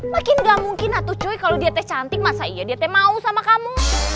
makin gak mungkin cuy kalau dia cantik masa iya dia mau sama kamu